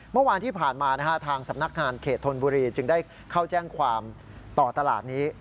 เมื่อวานที่ผ่านมาทางสำนักงานเขตธนบุรีจึงได้เข้าแจ้งความต่อตลาดนี้